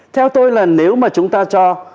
theo tôi là nếu mà chúng ta cho